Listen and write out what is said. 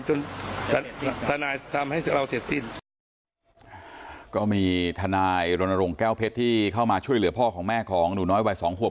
ทนายทำให้เราเสร็จสิ้นก็มีทนายรณรงค์แก้วเพชรที่เข้ามาช่วยเหลือพ่อของแม่ของหนูน้อยวัยสองขวบ